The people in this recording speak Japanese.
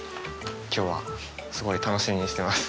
今日はすごい楽しみにしてます。